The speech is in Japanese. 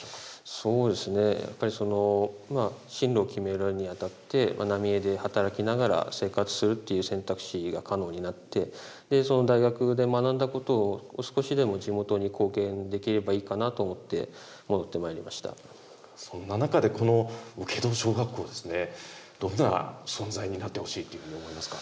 そうですね、やっぱり、進路を決めるにあたって、浪江で働きながら生活するっていう選択肢が可能になって、その大学で学んだことを、少しでも地元に貢献できればいいかなと思って、戻ってまそんな中で、この請戸小学校ですね、どんな存在になってほしいというふうに思いますか。